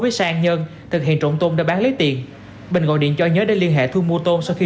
với xe an nhân thực hiện trộm tôn để bán lấy tiền bình gọi điện cho nhớ đến liên hệ thu mua tôn sau khi